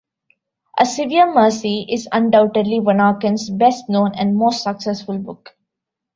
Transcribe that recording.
A Severe Mercy is undoubtedly Vanauken's best known and most successful book.